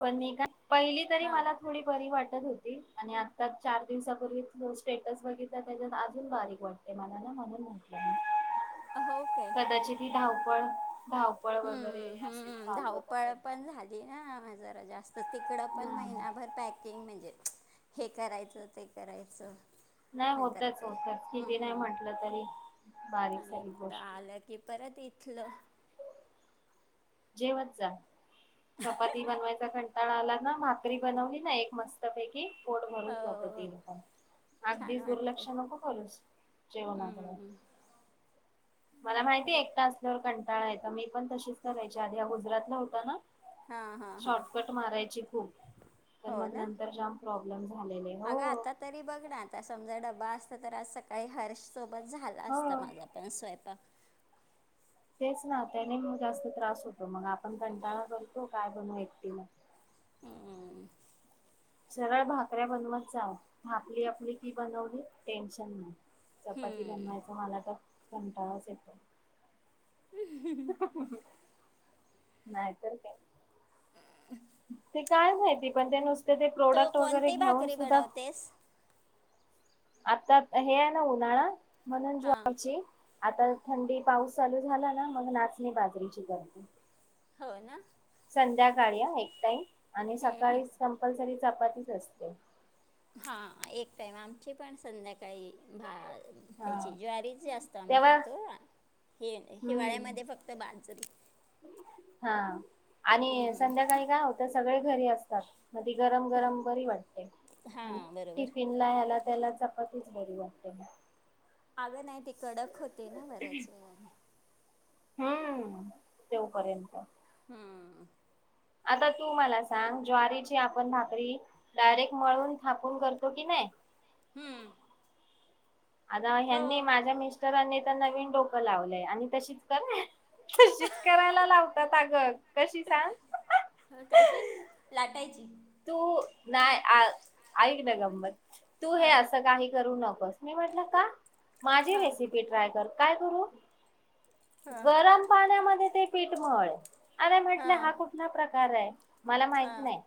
पण पहिली तरी हा मला थोडी बरी वाटत होती आणि आता चार दिवसापूर्वी तो स्टेटस बघितता त्याच्यात अजून बारीक वाटते [unintelligible] अ हो काय. त्याची ती धावपळ धावपळ वगैरे हम्म असेल हम्म चालू होता धावपळ सध्या. पण झाली जरा जास्त तिकड पण हम्म महिभर पकिंग म्हणजे हे करायचं ते करायचं. नाही नंतर होतच आता होतच किती नाही हम्म म्हटलं तरी. बारीक आणि सारीक इकडं गोष्टी आलं की परत इथलं. जेवत जा चपाती बनवायचा कं कंटाळा आला ना भाकरी बनवली ना एक मस्तपैकी. पोट भरून जात ती हो लक छान अगदीच वाटते दुर्लक्ष नको करूस जेवणाकडे. हम्म मला आणि माहिती आहे करे एकटा असल्यावर कंटाळा येत मी पण तशीच करायची आधी ह गुजरातला होत ना. हां हां हां शॉर्टकट मारायची खूप प हो मग ना नंतर प्रॉब्लेम झालेने हो. अगं आता तरी बघ ना आता समजा डबा असत तर आज सकाळी हर्ष सोबत झालं हो असतं माझा पण स्वयंपाक तेच ना त्याने मग जास्त त्रास होतो मग आपण कंटाळा करतो काय बनू एकटी मग ह सरळ भाकऱ्या बनवत जाव भाकली आपली की बनवली टेन्शन नाही चपाती बनवायच मला तर कंटाळाच येतो. नाहीतर काय? [unintelligible] ते काय माहिती पण ते नुसत ते तू प्रोडक्ट वगैरे कोणती घेऊन भाकरी सुद्धा बनवतेस आता हे न उ ना ना म्हणून हां जची. आता थंडी पाऊस चालू झाला ना मग नाचणी बाजरीची करते. हो ना. संध्याकाळी या एक टाइम आणि सकाळी कंपल्सरी चपातीच असते. हां एक टाइम आमची पण संध्याकाळी भा हा त्या्याची ज्वारीच जास्त आम्ही तेव्हा खातो हे हम्म हिवाळ्यामध्ये फक्त बाजरी. हा आणि संध्याकाळी का होत सगळे घरी असतात. म गरम गरम बरी वाटते हां बरोबर टिफिन. ह्याला त्याला चपातीच बरी वाटते आलंं नाही ते कडक होते ना बऱ्याच वेळाने. हम्म तेव करेंत. हम्म. आता तू मला सांग ज्वारीची आपण भाकरी डायरेक्ट मळून थापून करतो की नाही! हम्म. आता हो ह्यांनी माझ्या मिस्टरांनी तर नवीन डोकं लावलंय आणि तशीच कर तशीच करायला लावतात अगं कशी सांग हो, कशी लाटायची. तू नाही ऐक ना गंमत तू हे हां असं काही करू नकोस मी म्हटलं का माझी हां रेसिपी ट्राय कर काय करू हां गरम पाण्यामध्ये ते पीठमळ आणि म्हटलं हां हा कुठला प्रकार आहे. मला माहित हां नाही.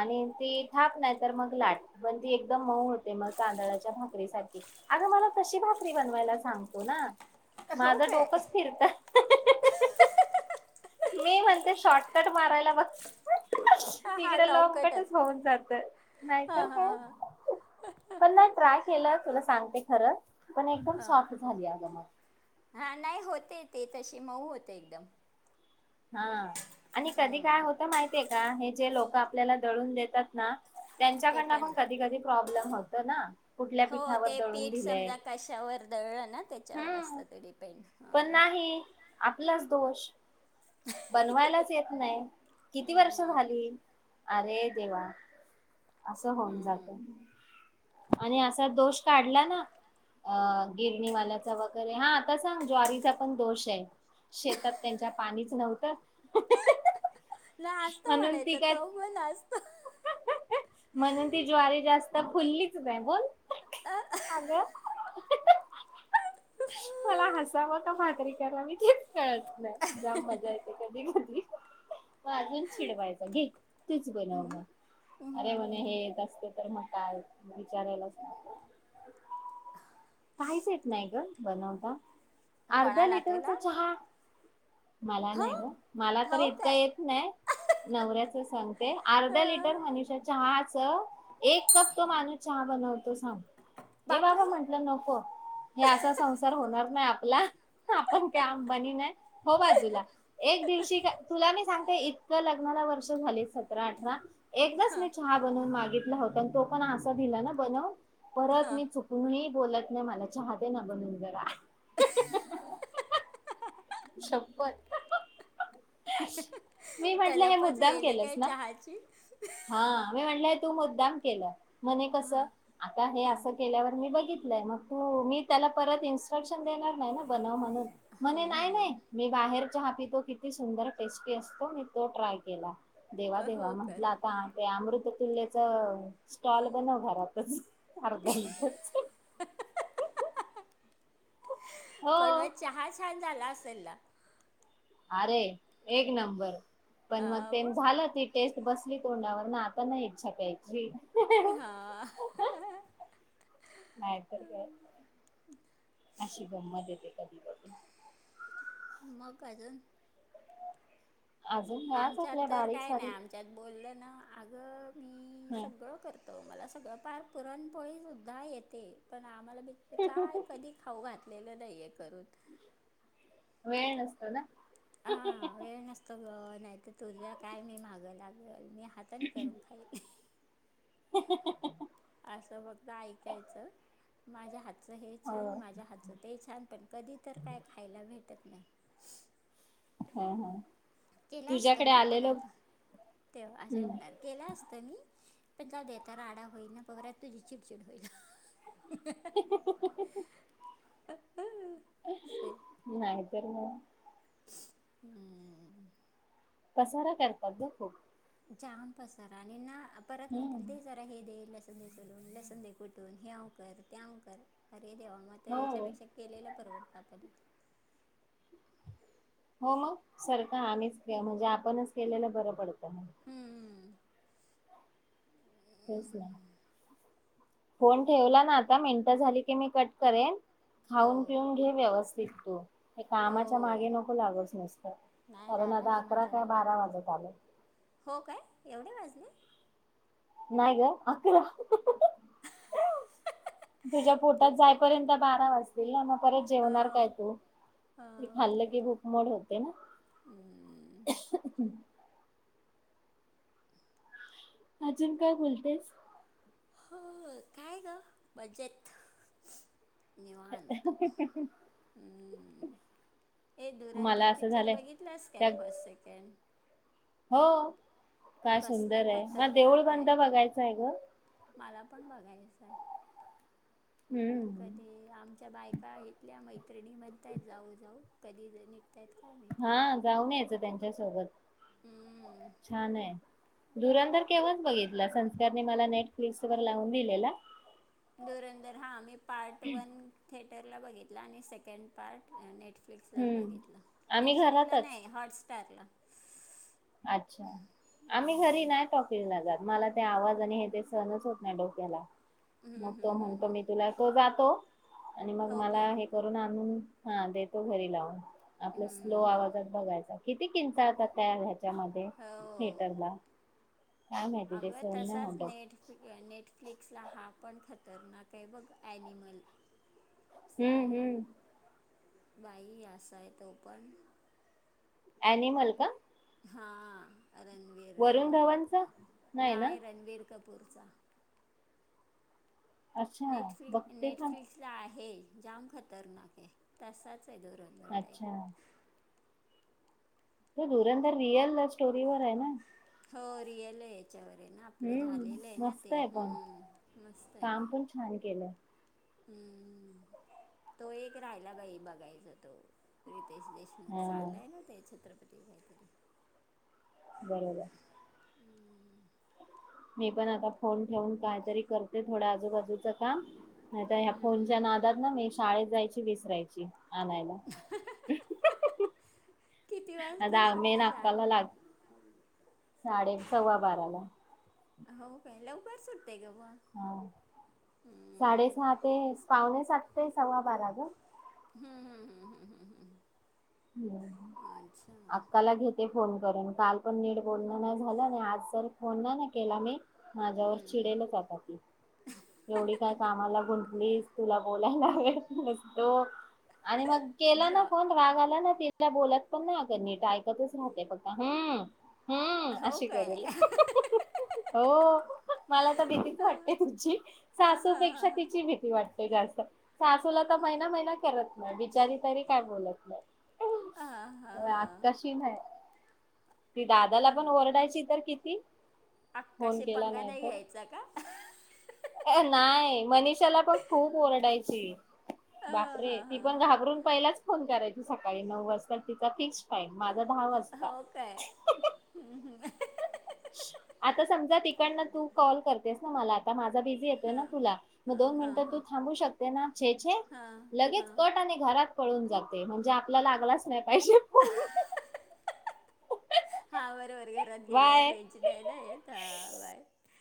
आणि ती थाप नाही तर मग लाट पण ती एकदम मऊ होते मग तांदळाच्या भाकरी सारखी. आग मला तशी भाकरी बनवायला सांगतो ना! हो माझं काय! डोकंच फिरत मी म्हणते शॉर्टकट मारायला बघ. हा तिकडं लॉंग लॉन्ग कटच होऊन जात हां नाहीतर हां हां काय पण नाही ट्राय केलं तुला सांगते खरं पण एकदम सॉफ्ट झाली अग मग हा नाही होते ते तशी मऊ होते एकदम हा आणि कधी काय हम्म, होतं माहितीय का हे जे लोक आपल्याला दळून देतात ना त्यांच्याकड पण कधी कधी प्रॉब्लेम होत ना कुठल्या हो पीठावर ते दळून पीठ दिलंय समजा कशावर दळलं ना त्याच्यावर हम्म असतं ते डिपेंड पण नाही आपलाच दोष बनवायलाच येत नाही किती वर्ष हम्म झाली अरे देवा असं होऊन हम्म हम्म जात आणि असा दोष काढला ना गिरणीवाल्याचा वगैरे हा आता सांग ज्वारीचा पण दोष आहे शेतात त्यांच्या पाणीच नव्हत त लाजतो म्हणायचं तो मुलग लाजतो म्हणून ती ज्वारी जास्त फुललीच नाही बोल अग मला हसाव का भाकरी कराव तेच कळत नाही जाम मजा येते. कधी कधी म अजून चिडवायच घे तूच बनव म. अरे म्हणे हम्म. हे येत असते तर मग काय विचारायलाच नको. काहीच येत नाही ग बनवता अर्ध्या कोणाला तुला लिटरचा चहा मला हो नाही ग मला तर हो इतकं काय येत नवऱ्याच सांगते अर्धा लिटर हं. मनषा चहाच एक कप तो माणूस चहा बनवतो सांग हे बापरे बाबा म्हंटलं नको हे असंच संसार होणार नाही आपला आपण काय अंबानी नाही हो बाजूला एक दिवशी का तुला मी सांगतेय इतकं लग्नाला वर्ष झाले सतरा अठरा एकदाच हं मी चहा बनवून मागितला होता आणि तो पण असा दिला ना बनवून परत हं मी चुक कुणीही बोलत नाही मला चहा दे ना बनवून जरा शप्पथ मी म्हटलं हे तलपच मुद्दाम गेली केलंस काय ना चहाची हा मी म्हंटलं तू मुद्दाम केलं म्हणे कस हं आता हे असं केल्यावर मी बघितलंय मग तू मी त्याला परत इन्स्ट्रक्शन देणार नाही ना बनव म्हणून म्हणे हम् नाही हम नाही मी बाहेर चहा पी तो किती सुंदर टेस्टी असतो मी तो ट्राय केला देवा हं देवा हो काय म्हटलं आता ते अमृत तुल्यच स्टॉल बनव घरातच अर्ध लिटरच पण हो मग चहा छान झाला असेल ना अरे एक नंबर पण मग ते झालं त टेस्ट बसली तोंडवर ना आता नाही इच्छा प्यायची हा नाही तर काय अशी गंमत येते कधी कधी मग काय तर अजून ह्याच आमच्यात आपल्या तर बारीक काय नाही सारीक आमच्यात बोललं ना अगं मी ह सगळं करत तो मला सगळं पार पुरणपोळी सुुद्धा येते पण आम्हाला ब काय कधी खाऊ घातलेलं नाहीय करून वेळ नसत ना हा वेळ नसतो ग नाही तर तुझ्या काय मी माझं काय मी हाताने करून खाईल [inaudible] असं फघत ऐकायचं माझ्या हात ह हे हो छान माझ्या हातच ते छान पण कधी तर काय खायला भेटत नाही हा हा केला असत तुझ्याकडे मी पण आलेलो आता तेव्हा असे हम्म म्हणाल केला असतं मी पण द देता राडा होईल ना पत तुझी चिडचिड होईल [unintelligible] अ अस असे नाहीन त हम्म कसारा करतात ना खूप जाम पसार आणि ना परत म्हण हम्म ते झा हे दे लसलून लस दे कुठून हे अ कर तेव कर अरे देवा म हो त्याच्यापेक्षा केलेला परवड कापत होत हो मग सरख आम्हीच म्हणजे आपणच केलेलं बरं पडतं मग हम्म हम तेच नाही फोन मग ठेवला ना आता मिनटं झाली की मी कट करेन हो खाऊन पिऊन घे व्यवस्थित तू हे हो कामाच्या मागे नको लागच नसत नाही कारण झाला आता तर अकरा माझा काय बारा वाजत आल हो काय एवढे वाजले नाही ग अकरा तुझ्या पोटात तीच जायपर्यंत बारा वाजतील ना मग परत हो जेवणार काय तू हा ते खाल्लं बरोबर की मूकमोड होते ना हम्म. अजून काय बोलतेस हो काय ग बजेट निवांत हे मला धुरंधर असं पिक्चर झालंय बघितलंस काय त्या फर्स्ट सेकंड हो काय कसला सुंदर आहे म देऊळ खतरनाक आहे बंद बघायचं आहे ग मला पण बघायचं आहे पण हम्म. क ते आमच्या बायका इथल्या मैत्रिणी म्हणताय जाऊ जाऊ कधी जणी त्यात काय मी हा जाऊन यायचं त्यांच्या सोबत हम्म. छान आहे धुरधर केव्हाच बघितलं संस्कारने मला नेटफ्लिक्स वर लावून दिलेला धरंधर हा आम्ही पार्ट वन थिएटरला बघितला आणि सेकंड पार्ट नेटफ् नेटफ्लिक्सलाच हम्म बघितलं आम्ही नेटफ्लिक्सला घरातच नाही हॉटस्टार ला अच्छा आम्ही घरी हम्म. नाही टॉकला जात मला ते आवाज आणि हे ते सहणच होत नाही डोक्याला हम्म, मग हम्म, तो हम्म, म्हणतो हम्म. मी तुला तो जातो आणि मग हो मला काय हे करून आणून हा देतो घरी लावून हम्म, आपल्या स्लो हम्म, हम्म. आवाजात बघायचा किती किंचा आता तयारय त्या हो थिएटरला काय माहिती ते अगं सन तसाच होॉटल नेट नेटफ्लिक्सला हा पण खतरनाक आहे बघ ॲनिमल साय हम्म हम्म. बाई असा आहे तो पण अनिमल का हा रणवीर वरुण धवनचा नाही ना. नाय रणवीर कपूरचा अच्छा नेटफ्लिक बघते का? नेटफ्लिक्सला आहे जाम खतरनाक आहे तसाच आहे दोर अच्छा त धुरधर रिअल लव स्टोरीवर आहे ना हो रियल याच्यावर आहे ना आपलं हम्म झालेलं आहे ना मस्त ते पण हम्म मस्त आहे काम पण छान केलं हम्म तो एक राहिला बाई बघायचा तो रितेश देशमुख मग हां चालं आहे ना ते छत्रपती काहीतरी बरोबर मी पण आता फोन ठेवून कायतरी करते थोड्या आजूबाजूच कामता ह्या फोनच्या ना ना मी शाळेत जायची विसरायची आणायला किती वाजता आताहा मे सुटते नाकाला शाळा लाग साडे सव्वा बाराला हो पहिला उभार सुटतय ग बा हा साडे सहा ते पावणे सात ते सव्वा बारा ग हम् हम हम् हम हम हम हम अक्काला घेत ते फोन करून काल पण नीट बोलण नाही झालं आज फोन नाही ना केला मी माझ्यावर हम्म. चिडेलच आात ती एवढी काय कामाला गुंतलीस तुला बोलायला वेळ नसतो आणि मग केला ना जॉ फोन राग आला ना तिला बोलत पण ना नीट ऐकतच नव्हते फक्त हम हम्म हो अशी काय करेल हो मला तर भेतीीच हा, वाटते तुमची हा, हा, सासूपेक्षा हा. तिची भीती वाटते जा असं सासूला तर महिना महिना करत नाही बिचारी तरी काय बोलत नाही हा, हा, हा. आकाशीन आहे ती दादाला पण ओरडायची तर किती फोन अक्काशी केला पंगा नाही घ्यायचा का अ नाही मनीिषाला पण खूप ओरडायची हा, बापरे हा, ती हा, पण हा. घाबरून पहिलाच फोन करायची सकाळी नऊ वाजता तिचा फिक् टाईम माझा दहा वाजता हो काय आता समजा तिकडन तू कॉल करतेस ना मला आ आता माझा बिझी येतोय हा, ना तुला मग हा, दोन हा, मिनिटं हा. तू थांबू शकते ना छ छ हा, हा. लगेच कट आणि घरात पळून जाते म्हणजे आपल्याला लागलाच नाही पाहिजे अ फोन हा बरोबर घरात गेल्यावर बाय रेंज नाही ना येत बाय